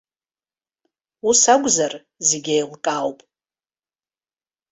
Ус акәзар, зегь еилкаауп.